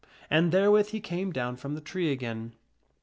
And therewith he came down from the tree again.